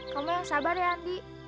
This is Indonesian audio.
kamu yang sabar ya andi